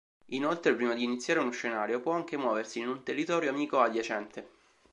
Inoltre, prima di iniziare uno scenario, può anche muoversi in un territorio amico adiacente.